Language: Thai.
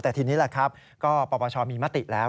แต่ทีนี้แหละครับก็ปปชมีมติแล้ว